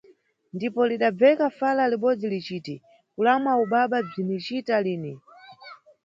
Ndipo lidabveka fala libodzi liciti -kulamwa ubaba – bzinicita lini.